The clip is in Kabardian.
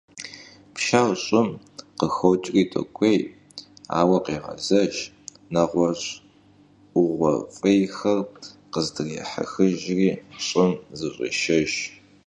Пшэр щӀым къыхокӀри докӀуей, ауэ къегъэзэж, нэгъуэщӀ Ӏугъуэ фӀейхэр къыздрехьэхыжри, щӀым зыщӀешэж.